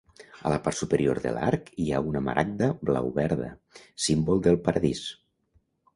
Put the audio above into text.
A la part superior de l'arc hi ha una maragda blau-verda, símbol del paradís.